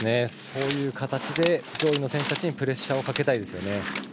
そういう形で上位の選手たちにプレッシャーをかけたいですよね。